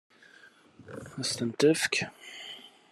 Ad s-ten-tefk?